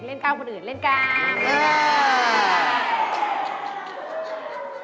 เล่นกล้ามคนอื่นเล่นกล้าม